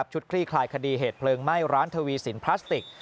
คลี่คลายคดีเหตุเพลิงไหม้ร้านทวีสินพลาสติก